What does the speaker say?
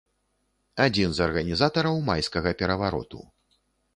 Адзін з арганізатараў майскага перавароту.